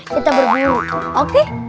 kita berburu oke